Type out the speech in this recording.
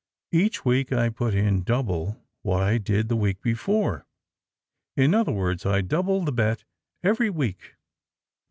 Each week I put in double what I did the week before. In other words I double the bet eveYj week."